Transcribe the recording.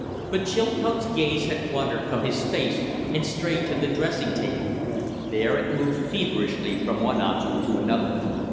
But Chilcote's gaze had wandered from his face and strayed to the dressing table; there it moved feverishly from one object to another.